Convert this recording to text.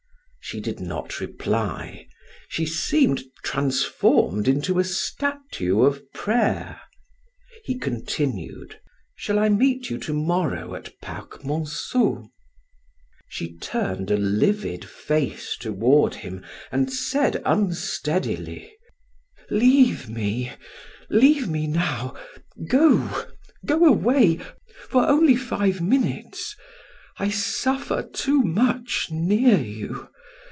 She did not reply; she seemed transformed into a statue of prayer. He continued: "Shall I meet you to morrow at Park Monceau?" She turned a livid face toward him and said unsteadily: "Leave me leave me now go go away for only five minutes I suffer too much near you.